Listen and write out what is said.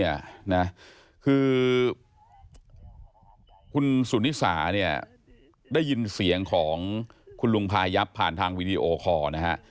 โอ้โหคือคุณสุนิสาได้ยินเสียงของคุณลุงพายับผ่านทางวีดีโอคอร์นะครับ